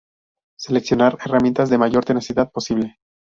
Seleccionar herramientas de la mayor tenacidad posible.